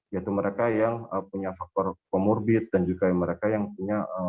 yaitu mereka yang punya faktor comorbid dan juga mereka yang punya